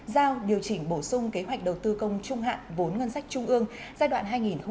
giao điều chỉnh bổ sung kế hoạch đầu tư công trung hạn vốn ngân sách trung ương giai đoạn hai nghìn hai mươi một hai nghìn hai mươi năm